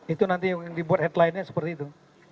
itu nanti yang dibuat headlinenya seperti itu